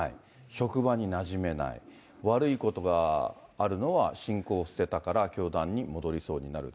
職場になじめない、悪いことがあるのは信仰を捨てたから、教団に戻りそうになる。